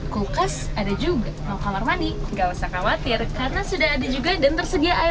kulkas ada juga kamar mandi nggak usah khawatir karena sudah ada juga dan tersedia